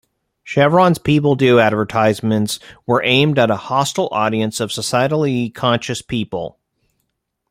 Chevron's "People Do" advertisements were aimed at a "hostile audience" of "societally conscious" people.